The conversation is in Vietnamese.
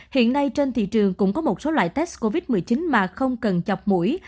hiện nay trên thị trường cũng có một số loại test covid một mươi chín mà không cần chọc mũi